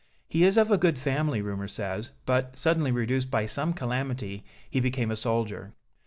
He is of a good family, rumor says, but, suddenly reduced by some calamity, he became a soldier."